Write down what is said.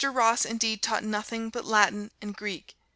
Ross indeed taught nothing but Latin and Greek.